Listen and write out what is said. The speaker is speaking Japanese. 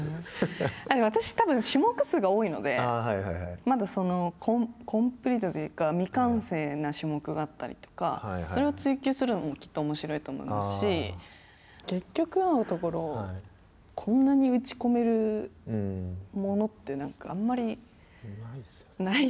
私、たぶん種目数が多いのでまだコンプリートというか未完成な種目があったりとかそれを追求するのはきっとおもしろいと思いますし結局のところこんなに打ち込めるものってそうなんですよ。